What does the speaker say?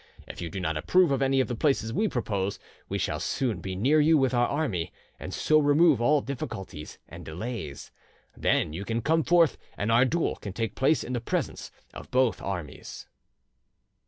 If you do not approve of any of the places we propose, we shall soon be near you with our army, and so remove all difficulties and delays. Then you can come forth, and our duel can take place in the presence of both armies."